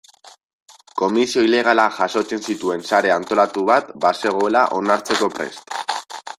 Komisio ilegalak jasotzen zituen sare antolatu bat bazegoela onartzeko prest.